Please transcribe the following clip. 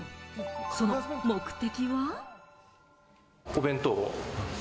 その目的は？